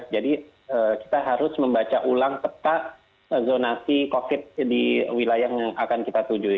jadi kita harus membaca ulang peta zonasi covid di wilayah yang akan kita tujui